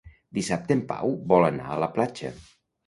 Dissabte en Pau vol anar a la platja.